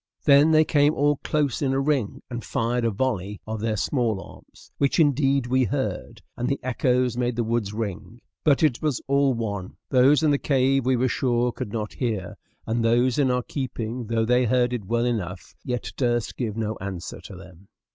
Then they came all close in a ring, and fired a volley of their small arms, which indeed we heard, and the echoes made the woods ring. But it was all one; those in the cave, we were sure, could not hear; and those in our keeping, though they heard it well enough, yet durst give no answer to them.